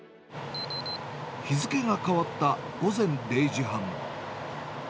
日付が変わった午前０時半。